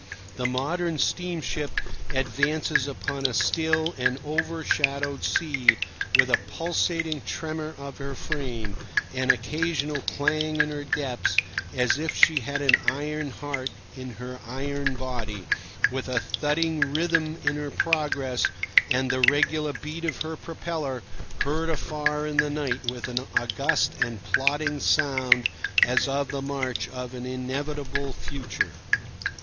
The modern steamship advances upon a still and overshadowed sea with a pulsating tremor of her frame, an occasional clang in her depths, as if she had an iron heart in her iron body; with a thudding rhythm in her progress and the regular beat of her propeller, heard afar in the night with an august and plodding sound as of the march of an inevitable future.